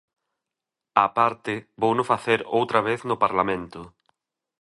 Á parte, vouno facer outra vez no Parlamento.